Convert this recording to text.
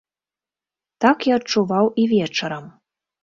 Так я адчуваў і вечарам.